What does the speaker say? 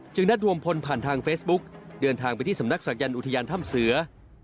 นัดรวมพลผ่านทางเฟซบุ๊กเดินทางไปที่สำนักศักยันต์อุทยานถ้ำเสือ